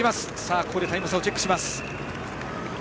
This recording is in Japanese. ここでタイム差をチェックします。